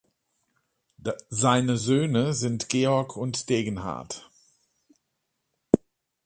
Seine Söhne sind Georg und Degenhart.